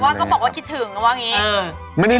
แต่ว่าก็บอกว่าคิดถึงกันว่าอย่างนี้